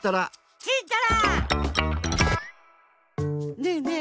ねえねえ